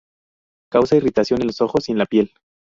Causa irritación en los ojos y en la piel.